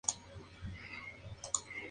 Campos y Manuel Damiano.